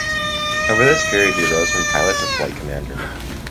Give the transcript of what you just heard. Over this period he rose from pilot to flight commander.